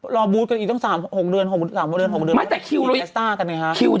รอบูธกันอีกตั้ง๓๖เดือนมีแอสตาร์กันไงครับ